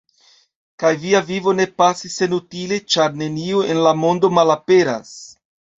Kaj via vivo ne pasis senutile, ĉar nenio en la mondo malaperas.